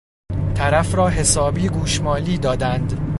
طرف را حسابی گوشمالی دادند